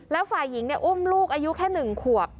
แล้วฝ่ายหญิงเนี่ยอุ้มลูกอายุแค่หนึ่งขวบ